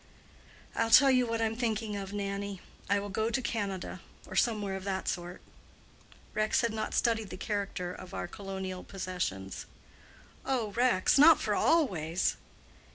"I'll tell you what I'm thinking of, Nannie. I will go to Canada, or somewhere of that sort." (Rex had not studied the character of our colonial possessions.) "Oh, Rex, not for always!"